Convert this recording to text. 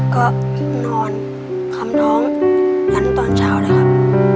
ก็นอนคำท้องนั้นตอนเช้านะครับ